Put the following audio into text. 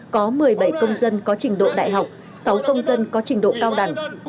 có một mươi bảy công dân có trình độ đại học sáu công dân có trình độ cao đẳng